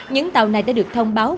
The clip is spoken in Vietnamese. những tàu này đã được thông báo